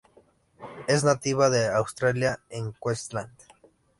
Es nativa de Australia en Queensland.